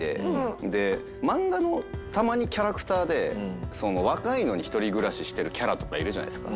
漫画のたまにキャラクターで若いのに一人暮らししてるキャラとかいるじゃないですか。